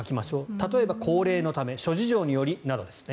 例えば高齢のため諸事情によりなどですね。